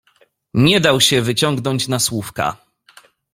"Nie dał się wyciągnąć na słówka."